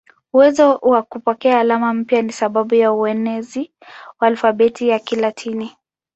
Uwezo wa kupokea alama mpya ni sababu ya uenezi wa alfabeti ya Kilatini.